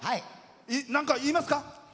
なんか、言いますか。